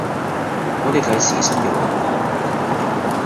我哋計時薪嘅喎？